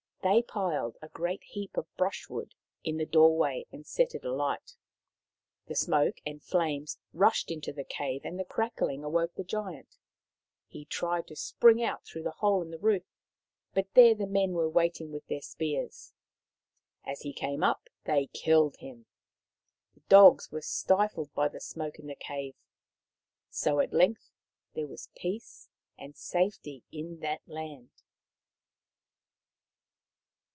They piled a great heap of brushwood in the doorway and set it alight. The smoke and flames 190 Maoriland Fairy Tales rushed into the cave and the crackling awoke the Giant. He tried to spring out through the hole in the roof, but there the men were waiting with their spears. As he came up they killed him. The dogs were stifled by the smoke in the cave. So at length there was peace and safety in that land.